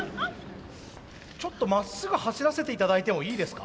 ちょっとまっすぐ走らせて頂いてもいいですか？